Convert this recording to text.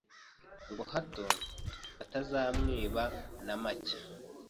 ngo hato batazamwiba namacye